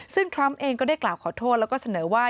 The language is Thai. ซึ่งทรัมป์เองก็ได้กล่าวขอโทษแล้วก็เสนอว่า